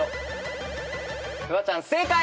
フワちゃん正解。